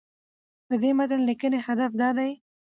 د دې متن لیکنې هدف دا دی